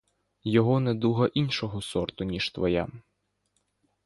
Його недуга іншого сорту, ніж твоя.